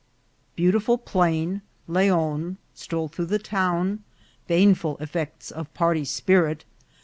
Beautiful Plain.— Leon.— Stroll through the Town.— Baneful Effects of Party Spirit.